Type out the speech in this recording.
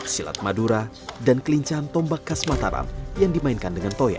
silat madura dan kelincahan tombak khas mataram yang dimainkan dengan toya